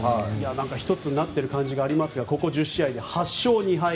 １つになっている感じがありますがここ１０試合で８勝２敗。